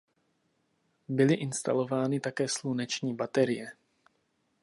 Byly instalovány také sluneční baterie.